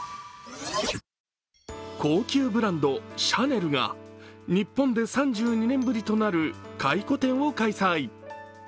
高級ブランド・シャネルが日本で３２年ぶりとなる回顧展を開催。